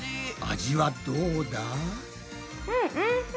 味はどうだ？